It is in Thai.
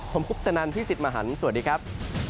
ผมคุปตนันพี่สิทธิ์มหันฯสวัสดีครับ